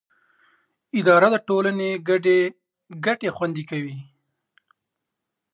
اداره د ټولنې ګډې ګټې خوندي کوي.